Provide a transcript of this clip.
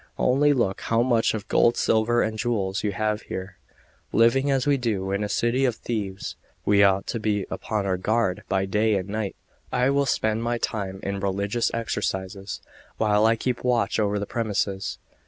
Only look how much of gold, silver, and jewels you have here. Living as we do in a city of thieves, we ought to be upon our guard by day and night. I will spend the time in religious exercises, while I keep watch over the premises.